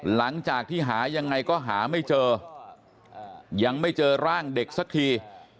หลังจากที่หายังไงก็หาไม่เจอยังไม่เจอร่างเด็กสักที